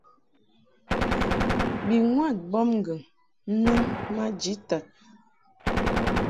Bi ŋwad mbɔbŋgɨŋ nɨŋ maji tad.